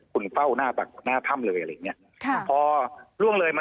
คุณเฝ้าหน้าแบบหน้าถ้ำเลยอะไรอย่างเงี้ยค่ะพอล่วงเลยมา